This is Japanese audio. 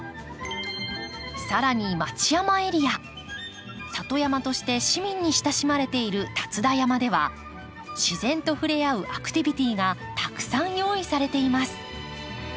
更に里山として市民に親しまれている立田山では自然と触れ合うアクティビティがたくさん用意されています。